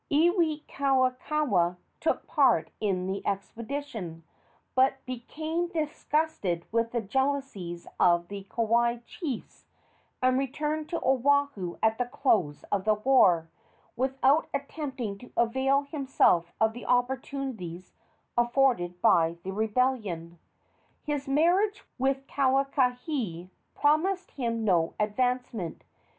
Iwikauikaua took part in the expedition, but became disgusted with the jealousies of the Kauai chiefs and returned to Oahu at the close of the war, without attempting to avail himself of the opportunities afforded by the rebellion. His marriage with Kauakahi promised him no advancement.